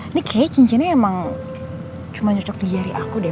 ini kayaknya cincinnya emang cuma cocok di jari aku deh